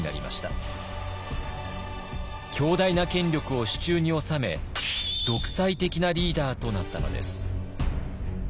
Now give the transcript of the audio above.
強大な権力を手中に収め独裁的なリーダーとなったのです。